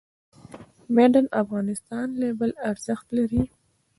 د "Made in Afghanistan" لیبل ارزښت لري؟